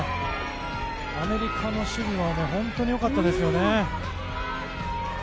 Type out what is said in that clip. アメリカの守備も本当に良かったですよね。